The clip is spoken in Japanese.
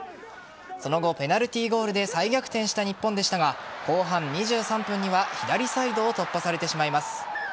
その後ペナルティーゴールで再逆転した日本でしたが後半２３分には左サイドを突破されてしまいます。